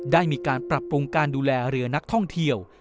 ได้มีการปรับปรุงการดูแลเรือนักท่องเที่ยว